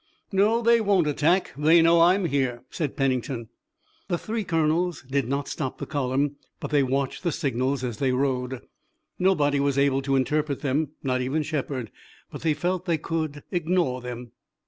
"No, they won't attack, they know I'm here," said Pennington. The three colonels did not stop the column, but they watched the signals as they rode. Nobody was able to interpret them, not even Shepard, but they felt that they could ignore them.